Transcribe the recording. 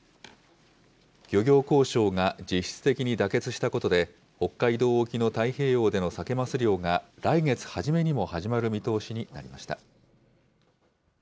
漁業交渉が実質的に妥結したことで、北海道沖の太平洋でのサケ・マス漁が、来月初めにも始まる見通しになりました。